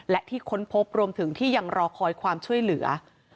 และที่ค้นพบรวมถึงที่ยังรอคอยความช่วยเหลือ